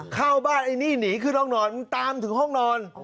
เข้าบ้านไอ้นี่หนีขึ้นห้องนอนตามถึงห้องนอน